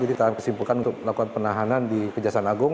jadi kita kesimpulkan untuk melakukan penahanan di kejaksaan agung